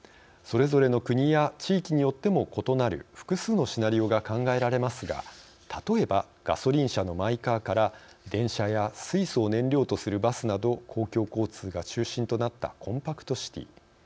それぞれの国や地域によっても異なる複数のシナリオが考えられますが、例えばガソリン車のマイカーから電車や水素を燃料とするバスなど公共交通が中心となったコンパクトシティー。